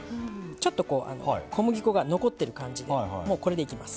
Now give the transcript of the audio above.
ちょっとこう小麦粉が残ってる感じでもうこれでいきます。